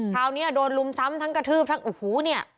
คราวนี้โดนลุมซ้ำทั้งกระทืบทั้งโอ้โหเนี่ย